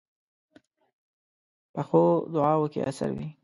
پخو دعاوو کې اثر وي